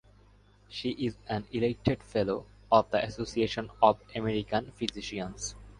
She is an elected fellow of the Association of American Physicians.